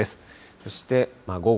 そして午後。